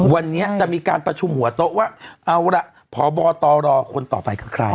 วันนี้จะมีการประชุมหัวโต๊ะว่าเอาล่ะพบตรคนต่อไปคือใคร